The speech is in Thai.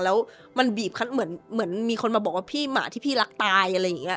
แล้วมันบีบเหมือนมีคนมาบอกว่าพี่หมาที่พี่รักตายอะไรอย่างนี้